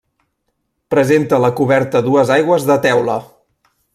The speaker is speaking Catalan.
Presenta la coberta a dues aigües de teula.